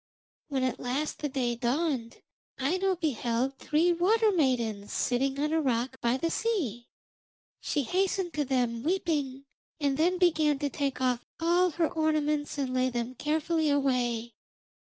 When at last the day dawned Aino beheld three water maidens sitting on a rock by the sea. She hastened to them, weeping, and then began to take off all her ornaments and lay them carefully away.